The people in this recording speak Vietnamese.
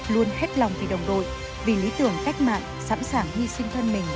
luôn hết lòng vì đồng đội vì lý tưởng cách mạng sẵn sàng hy sinh thân mình